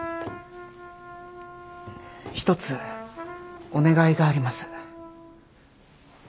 一つお願いがあります。